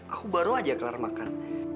aku baru aja kelar makan